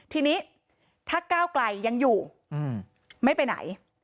ทีนี้ถ้าก้าวไกลยังอยู่ไม่ไปไหน